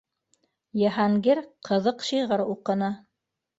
Йыһангир ҡыҙыҡ шиғыр уҡыны.